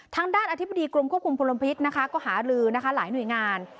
ทางด้านอธิบดีกรมควบคุมพลพิษนะคะก็หาลือนะคะหลายหน่วยงาน